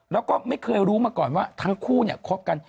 แล้วก็ไม่เคยรู้มาก่อนว่าทั้งคู่เนี่ยคบกัน